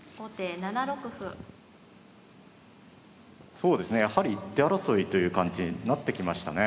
そうですねやはり一手争いという感じになってきましたね。